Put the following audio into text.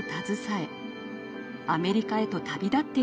アメリカへと旅立っていったのです。